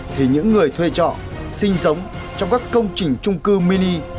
thì những người thuê trọ sinh sống trong các công trình trung cư mini